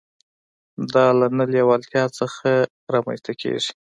دا له نه لېوالتيا څخه نه رامنځته کېږي.